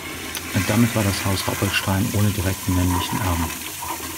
Damit war das Haus Rappoltstein ohne direkten männlichen Erben.